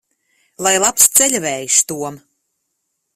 Lai labs ceļavējš, Tom!